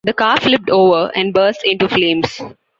The car flipped over, and burst into flames.